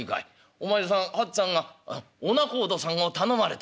お前さん八っつぁんがお仲人さんを頼まれた」。